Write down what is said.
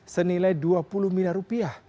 senilai dua puluh miliar rupiah